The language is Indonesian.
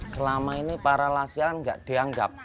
selama ini para lasya kan nggak dianggap